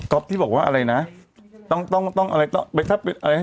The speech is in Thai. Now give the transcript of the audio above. ก๊อบที่บอกว่าอะไรนะต้องอะไรอย่ารักลูกค้า